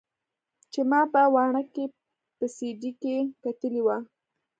چې ما په واڼه کښې په سي ډي کښې کتلې وه.